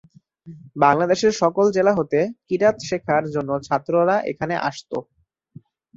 বাংলাদেশের সকল জেলা হতে কিরাত শেখার জন্য ছাত্ররা এখানে আসত।